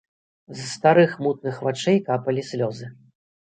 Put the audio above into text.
З старых мутных вачэй капалі слёзы.